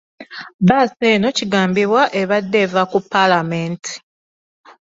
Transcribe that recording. Bbaasi eno kigambibwa ebadde eva ku ppaalamenti.